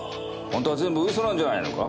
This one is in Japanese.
本当は全部嘘なんじゃないのか？